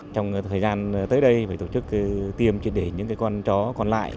trong thời gian tới đây tổ chức tiêm triển đề những con chó còn lại